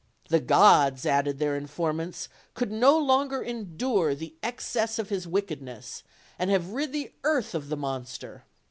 "The gods," added their informants, "could no longer endure the excess of his wickedness, and have rid the earth of the monster."